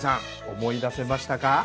思い出せましたか？